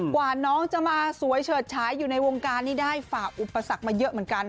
กว่าน้องจะมาสวยเฉิดฉายอยู่ในวงการนี้ได้ฝากอุปสรรคมาเยอะเหมือนกัน